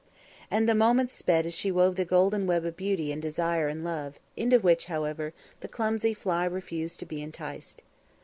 And the moments sped as she wove the golden web of beauty and desire and love, into which, however, the clumsy fly refused to be enticed.